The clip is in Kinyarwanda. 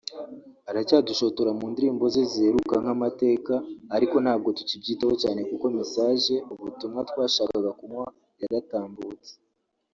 aracyadushotora mu ndirimbo ze ziheruka nka Amateka ariko ntabwo tukibyitaho cyane kuko message(ubutumwa) twashakaga kumuha yaratambutse